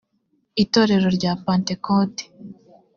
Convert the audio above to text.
itorero rya pentekote